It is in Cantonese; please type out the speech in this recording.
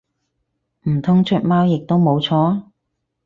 唔通出貓亦都冇錯？